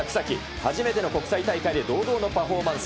初めての国際大会で堂々のパフォーマンス。